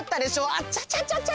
あちゃちゃちゃちゃ。